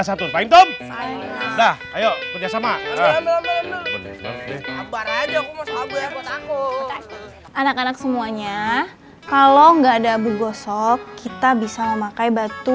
untuk itu udah ayo kerjasama anak anak semuanya kalau enggak ada bukosok kita bisa memakai batu